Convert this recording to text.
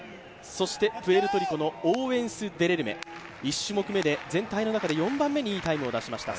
そしてプエルトリコのオーウェンス・デレルメ、１種目めで全体の中で４番目にいい得点を出しました。